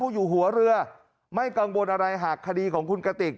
อยู่หัวเรือไม่กังวลอะไรหากคดีของคุณกติก